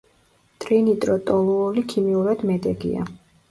ტრინიტროტოლუოლი ქიმიურად მედეგია.